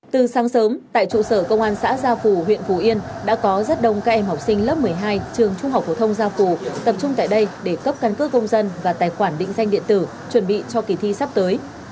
từ sáng sớm tại trụ sở công an xã gia phù huyện phù yên đã có rất đông các em học sinh lớp một mươi hai trường trung học phổ thông gia phù tập trung tại đây để cấp căn cước công dân và tài khoản định danh điện tử chuẩn bị cho kỳ thi sắp tới